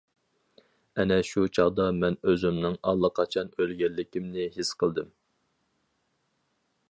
ئەنە شۇ چاغدا مەن ئۆزۈمنىڭ ئاللىقاچان ئۆلگەنلىكىمنى ھېس قىلدىم.